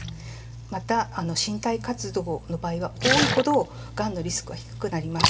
また身体活動の場合は多いほどがんのリスクは低くなります。